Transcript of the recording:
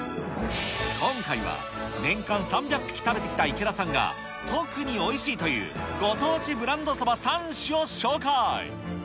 今回は年間３００匹食べてきた池田さんが、特においしいというご当地ブランドサバ３種を紹介。